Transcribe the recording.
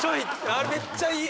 あれめっちゃいい。